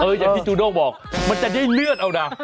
อย่างที่จูโด้งบอกมันจะได้เลือดเอานะ